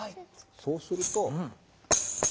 そうすると。